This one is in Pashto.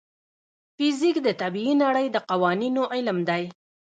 فزیک د طبیعي نړۍ د قوانینو علم دی.